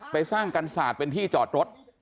สร้างกันศาสตร์เป็นที่จอดรถ